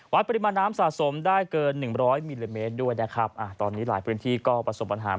ปริมาณน้ำสะสมได้เกินหนึ่งร้อยมิลลิเมตรด้วยนะครับอ่าตอนนี้หลายพื้นที่ก็ประสบปัญหา